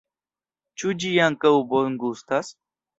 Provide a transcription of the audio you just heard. Ĉu ĝi ankaŭ bongustas?